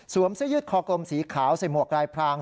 เสื้อยืดคอกลมสีขาวใส่หมวกลายพราง